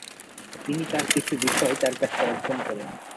তিনি তাঁর কিছু বিষয় তাঁর কাছে অর্পণ করেন।